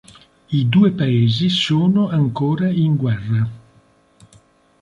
I due paesi sono ancora in guerra.